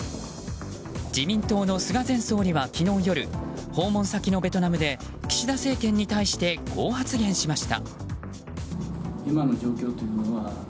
自民党の菅前総理は昨日夜訪問先のベトナムで岸田政権に対してこう発言しました。